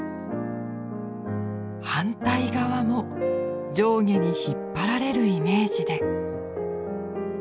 反対側も上下に引っ張られるイメージで。